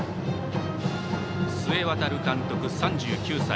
須江航監督、３９歳。